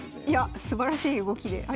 いやすばらしい動きで。